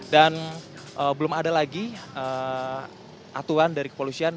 dan belum ada lagi atuhan dari polisian